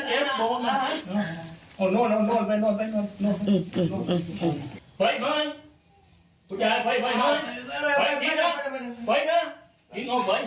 เข้าไป